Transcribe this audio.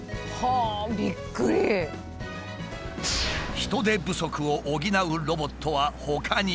人手不足を補うロボットはほかにも。